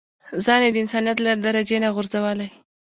ځان يې د انسانيت له درجې نه غورځولی.